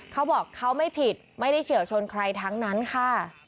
เขาบอกเขาไม่ผิดไม่ได้เฉียวชนใครทั้งนั้นค่ะ